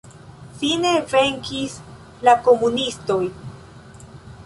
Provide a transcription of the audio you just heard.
Fine venkis la komunistoj.